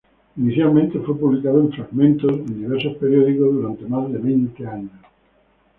Inicialmente fue publicado en fragmentos en diversos periódicos durante más de veinte años.